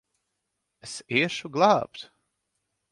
Es iešu glābt!